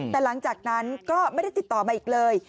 แต่หลังจากนั้นก็ไม่ได้ติดต่อมาอีกเลย